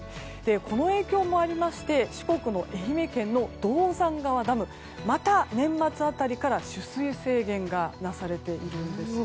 この影響もありまして四国の愛媛県の銅山川ダムではまた年末辺りから、取水制限が出されているんですね。